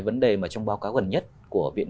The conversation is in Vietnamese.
vấn đề mà trong báo cáo gần nhất của viện